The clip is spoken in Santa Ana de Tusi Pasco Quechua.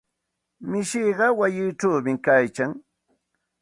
Mishiqa wayichawmi kaykan.